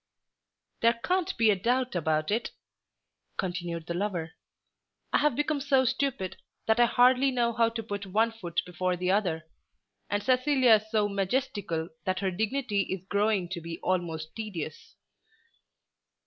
"There can't be a doubt about it," continued the lover. "I have become so stupid, that I hardly know how to put one foot before the other, and Cecilia is so majestical that her dignity is growing to be almost tedious."